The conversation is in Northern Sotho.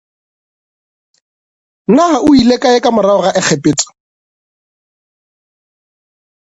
Na o ile kae ka morago ga Egepeta?